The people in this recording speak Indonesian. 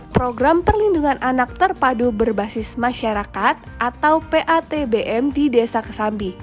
program perlindungan anak terpadu berbasis masyarakat di desa kesambi